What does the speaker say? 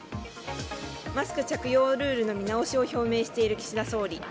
マスク着用ルールの見直しを表明している岸田総理。